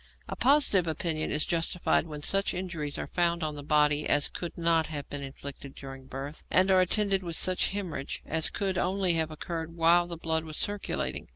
A positive opinion is justified when such injuries are found on the body as could not have been inflicted during birth, and are attended with such hæmorrhage as could only have occurred while the blood was circulating.